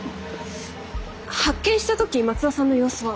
発見した時松田さんの様子は？